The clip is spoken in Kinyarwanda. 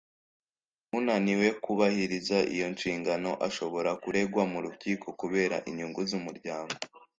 unaniwe kubahiriza iyo nshingano ashobora kuregwa mu rukiko ku bera inyungu z’umuryango.